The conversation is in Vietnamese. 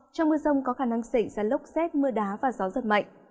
trong mưa rông có khả năng xảy ra lốc xét mưa đá và gió giật mạnh